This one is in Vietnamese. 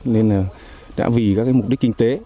nên là đã vì các mục đích kinh tế